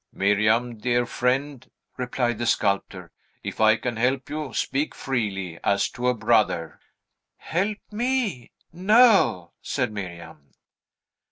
"Miriam, dear friend," replied the sculptor, "if I can help you, speak freely, as to a brother." "Help me? No!" said Miriam.